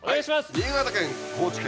新潟県高知県